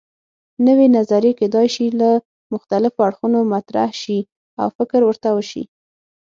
نوې نظریې کیدای شي له مختلفو اړخونو مطرح شي او فکر ورته وشي.